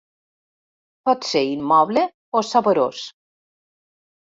Pot ser immoble o saborós.